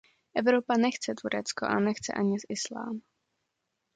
Evropa nechce Turecko a nechce ani islám.